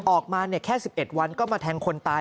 ออกมาแค่๑๑วันก็มาแทงคนตาย